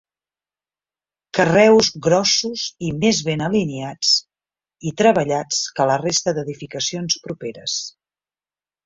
Carreus grossos i més ben alineats i treballats que la resta d'edificacions properes.